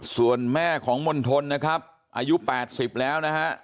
ส่วนแม่ของมณฑลนะครับอายุ๘๐แล้วนะฮะ